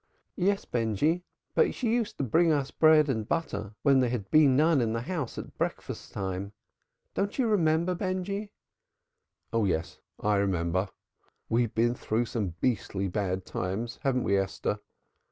"Yes, Benjy, but she used to bring us in bread and butter when there had been none in the house at breakfast time. Don't you remember, Benjy?" "Oh, yes, I remember. We've been through some beastly bad times, haven't we, Esther?